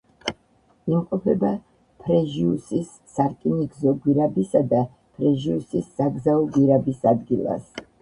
იმყოფება ფრეჟიუსის სარკინიგზო გვირაბისა და ფრეჟიუსის საგზაო გვირაბის ადგილას.